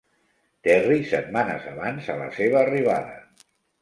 Terry setmanes abans a la seva arribada.